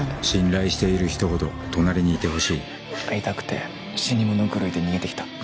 信頼している人ほど隣にいてほしい会いたくて死に物狂いで逃げて来た。